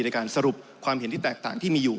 ในการสรุปความเห็นที่แตกต่างที่มีอยู่